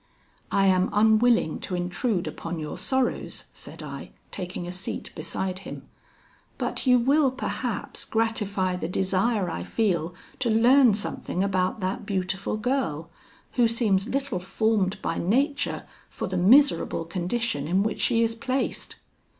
"I am unwilling to intrude upon your sorrows," said I, taking a seat beside him, "but you will, perhaps, gratify the desire I feel to learn something about that beautiful girl, who seems little formed by nature for the miserable condition in which she is placed."